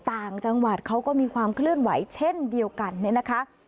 ต่างจังหวัดเขาก็มีความเคลื่อนไหวเช่นเดียวกันเนี่ยนะคะ